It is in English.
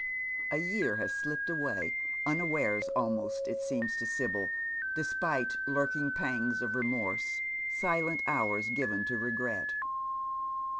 A year has slipped away, unawares almost it seems to Sibyl, despite lurking pangs of remorse, silent hours given to regret.